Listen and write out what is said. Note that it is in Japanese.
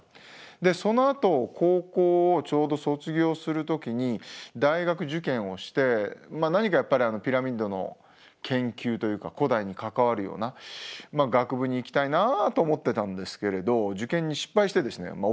でそのあと高校をちょうど卒業する時に大学受験をして何かやっぱりピラミッドの研究というか古代に関わるような学部に行きたいなと思ってたんですけれど受験に失敗してですねまあ